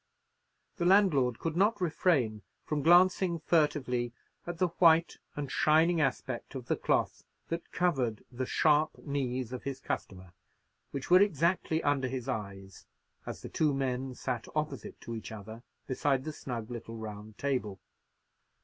The landlord could not refrain from glancing furtively at the white and shining aspect of the cloth that covered the sharp knees of his customer, which were exactly under his eyes as the two men sat opposite to each other beside the snug little round table.